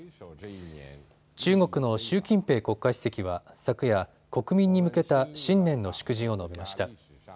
中国の習近平国家主席は昨夜、国民に向けた新年の祝辞を述べました。